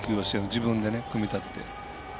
自分でね、組み立てて。